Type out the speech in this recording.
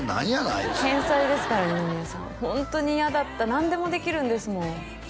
あいつ天才ですから二宮さんはホントに嫌だった何でもできるんですもん